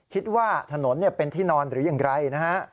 คิดว่าถนนเป็นที่นอนหรืออย่างไรนะฮะ